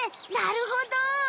なるほど。